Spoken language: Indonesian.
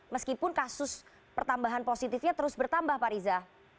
meskipun kasus pertambahan positifnya terus bertambah pak riza